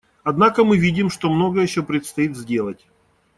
Однако мы видим, что многое еще предстоит сделать.